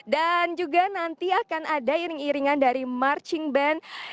dan juga nanti akan ada iring iringan dari marching band